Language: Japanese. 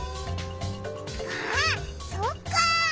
あっそっか！